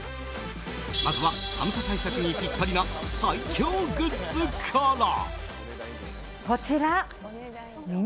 まずは寒さ対策にぴったりな最強グッズから。